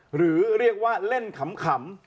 หรือเรียกว่าเล่นขำ